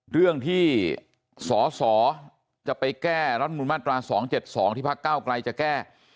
เรื่องที่สสจะไปแก้รัฐบุรรณ์มาตรา๒๗๒พ๙กลายจะแก้